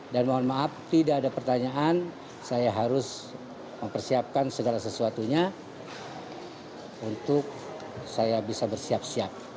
dan mohon maaf tidak ada pertanyaan saya harus mempersiapkan segala sesuatunya untuk saya bisa bersiap siap